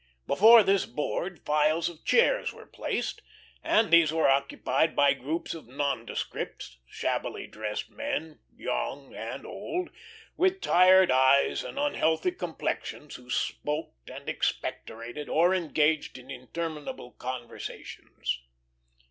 Before this board files of chairs were placed, and these were occupied by groups of nondescripts, shabbily dressed men, young and old, with tired eyes and unhealthy complexions, who smoked and expectorated, or engaged in interminable conversations.